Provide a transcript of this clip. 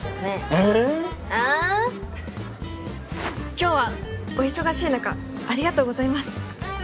今日はお忙しい中ありがとうございます。